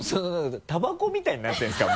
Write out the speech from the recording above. タバコみたいになってるんですか？